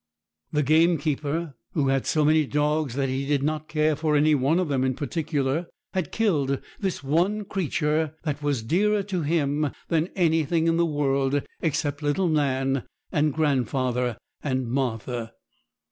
The gamekeeper, who had so many dogs that he did not care for any one of them in particular, had killed this one creature that was dearer to him than anything in the world, except little Nan, and grandfather, and Martha.